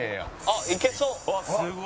あっいけそう！